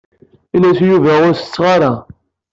Ini-as i Yuba ur setteɣ ara.